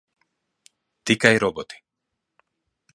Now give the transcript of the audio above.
Tikai roboti.